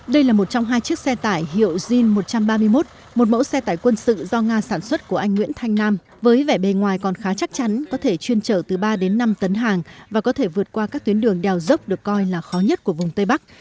đây là một trong hai chiếc xe tải hiệu jin một trăm ba mươi một một mẫu xe tải quân sự do nga sản xuất của anh nguyễn thanh nam với vẻ bề ngoài còn khá chắc chắn có thể chuyên trở từ ba đến năm tấn hàng và có thể vượt qua các tuyến đường đèo dốc được coi là khó nhất của vùng tây bắc